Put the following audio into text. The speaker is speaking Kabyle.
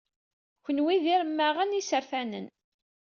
Kenwi d iremmaɣen isertanen.